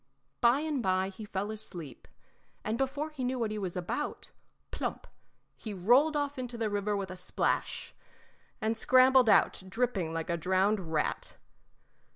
By and by he fell asleep, and before he knew what he was about plump he rolled off into the river with a splash, and scrambled out, dripping like a drowned rat.